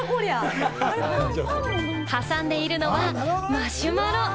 挟んでいるのはマシュマロ！